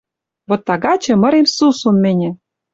Вот тагачы мырем сусун мӹньӹ